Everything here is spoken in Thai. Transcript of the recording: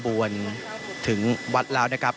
เรากระบวนถึงหวัดลาวนะครับ